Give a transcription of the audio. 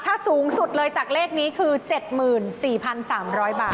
ถ้าสูงสุดเลยจากเลขนี้คือ๗๔๓๐๐บาท